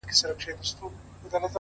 • دښاغلی جهانی صاحب دغه شعر,